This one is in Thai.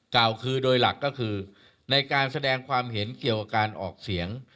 กล่าวคือโดยหลักก็คือในการแสดงความเห็นเกี่ยวกับการออกเสียง